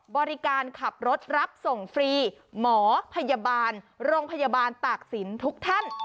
บริการขับรถรับส่งฟรีหมอพยาบาลโรงพยาบาลตากศิลปทุกท่าน